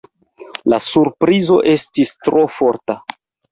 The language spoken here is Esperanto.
La surprizo estis tro forta.